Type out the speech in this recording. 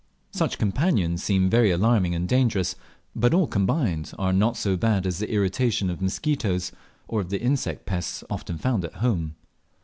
Such companions seem very alarming and dangerous, but all combined are not so bad as the irritation of mosquitoes, or of the insect pests often found at home.